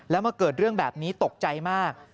แล้วมาเกิดเรื่องแบบนี้ตกใจมาก